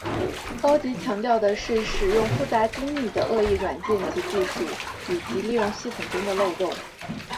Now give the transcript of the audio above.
高级强调的是使用复杂精密的恶意软件及技术以利用系统中的漏洞。